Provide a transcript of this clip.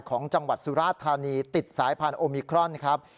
ของจังหวัดสุราธานีติดสายพันธุมิครอนครับ